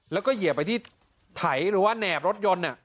แล้วก็เหยียบไปที่ไถหรือว่าแหนบรถยนต์